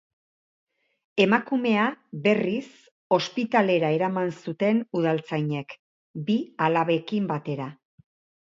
Emakumea, berriz, ospitalera eraman zuten udaltzainek, bi alabekin batera.